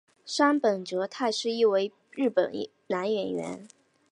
杉本哲太是一位日本男演员。